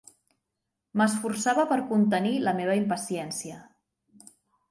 M'esforçava per contenir la meva impaciència.